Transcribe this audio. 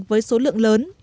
với số lượng lớn